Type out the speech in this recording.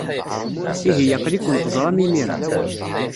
Ihi aql-iken teẓram imir-a.